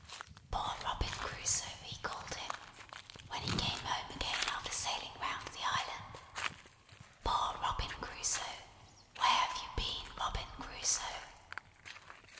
Poor Robin Crusoe, he called him, when he came home again after sailing round the island. 'Poor Robin Crusoe, where have you been, Robin Crusoe?'